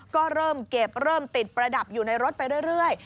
ก็เริ่มเก็บเริ่มติดประดับอยู่ในรถไปเรื่อย